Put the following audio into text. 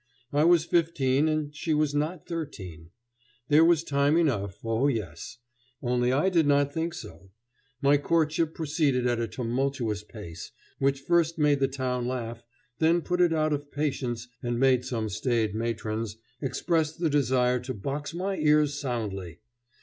I was fifteen and she was not thirteen. There was time enough, oh, yes! Only I did not think so. My courtship proceeded at a tumultuous pace, which first made the town laugh, then put it out of patience and made some staid matrons express the desire to box my ears soundly.